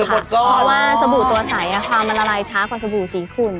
เพราะว่าสบู่ตัวใสความมันละลายช้ากว่าสบู่สีขุ่น